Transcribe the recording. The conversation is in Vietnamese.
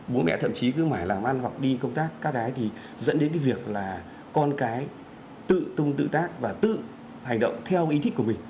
bố mẹ thậm chí cứ phải làm ăn hoặc đi công tác các cái thì dẫn đến cái việc là con cái tự tung tự tác và tự hành động theo ý thích của mình